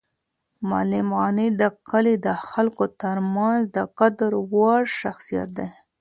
معلم غني د کلي د خلکو تر منځ د قدر وړ شخصیت دی.